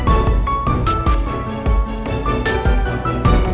mau gue bantar